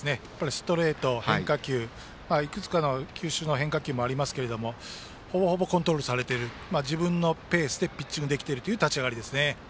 ストレート、変化球いくつかの球種の変化球もありますがほぼほぼコントロールされていて自分のペースでピッチングできている立ち上がりです。